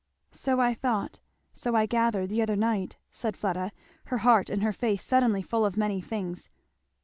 "So I thought! so I gathered the other night, " said Fleda, her heart and her face suddenly full of many things.